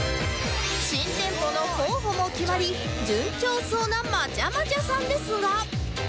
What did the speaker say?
新店舗の候補も決まり順調そうなまちゃまちゃさんですが